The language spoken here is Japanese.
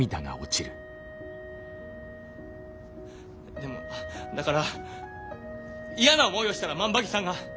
でもだから嫌な思いをしたら万場木さんが。